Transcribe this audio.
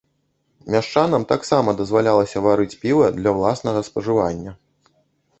Мяшчанам таксама дазвалялася варыць піва для ўласнага спажывання.